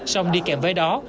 xong đi kèm với đó